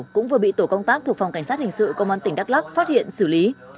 cũng vừa bị tổ công tác thuộc phòng cảnh sát hình sự công an tỉnh đắk lắc phát hiện xử lý